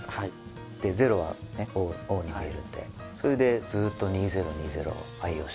０はＯに見えるんでそれでずーっと２０２０を愛用してます。